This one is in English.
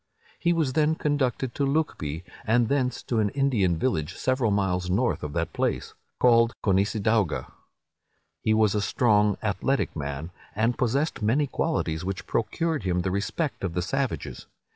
He was then conducted to Lucbee, and thence to an Indian village, several miles north of that place, called Conissadawga. He was a strong, athletic man, and possessed many qualities which procured him the respect of the savages.